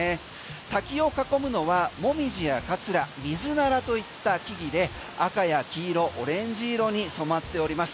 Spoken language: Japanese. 滝を囲むのはモミジやカツラミズナラといった木々で赤や黄色オレンジ色に染まっております。